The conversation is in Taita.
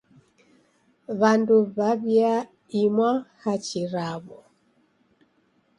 W'andu w'aw'iaimwa hachi raw'o.